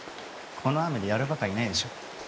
この雨でやるばかいないでしょ。